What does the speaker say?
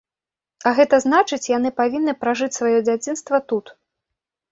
А гэта значыць, яны павінны пражыць сваё дзяцінства тут.